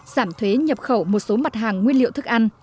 giảm thuế nhập khẩu một số mặt hàng nguyên liệu thức ăn